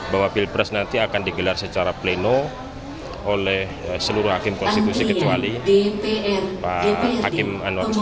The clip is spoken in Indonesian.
bahwa pilpres nanti akan digelar secara pleno oleh seluruh hakim konstitusi kecuali pak hakim anwar ustaz